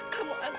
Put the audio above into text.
kamu sudah ingat